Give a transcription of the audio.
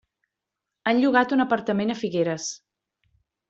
Han llogat un apartament a Figueres.